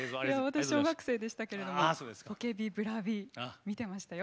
私小学生でしたけれどもポケビブラビ見てましたよ。